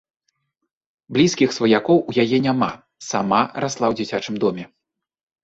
Блізкіх сваякоў у яе няма, сама расла ў дзіцячым доме.